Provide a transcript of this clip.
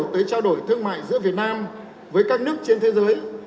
tới trao đổi thương mại giữa việt nam với các nước trên thế giới